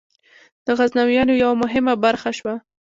د غزنویانو یوه مهمه برخه شوه.